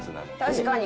確かに。